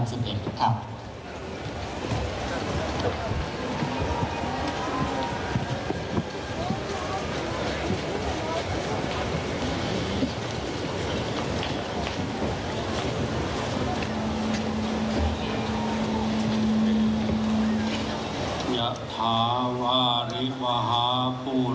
ถือว่าชีวิตที่ผ่านมายังมีความเสียหายแก่ตนและผู้อื่น